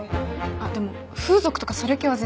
あっでも風俗とかそれ系は絶対なし。